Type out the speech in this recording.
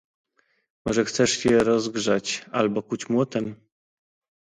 "Może chcesz je rozgrzać, albo kuć młotem?..."